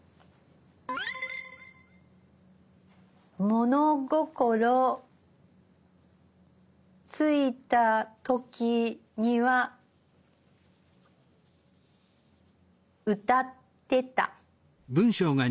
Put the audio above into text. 物心ついた時には歌ってた。